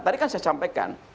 tadi kan saya sampaikan